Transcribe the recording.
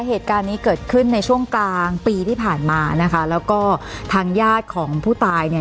เหตุการณ์นี้เกิดขึ้นในช่วงกลางปีที่ผ่านมานะคะแล้วก็ทางญาติของผู้ตายเนี่ย